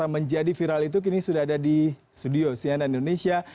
menjadi viral itu kini sudah ada di studio cnn indonesia